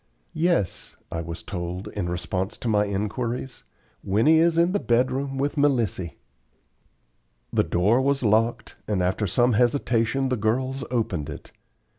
"Yes," I was told, in response to my inquiries; "Winnie is in the bed room with Melissy." The door was locked, and after some hesitation the girls opened it.